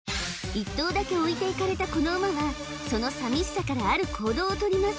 １頭だけ置いていかれたこの馬はその寂しさからある行動を取ります